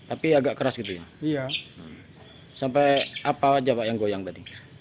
apa aja pak yang goyang tadi